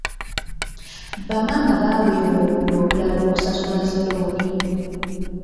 Bamaama baweebwa obudde obulala okusasula zi looni.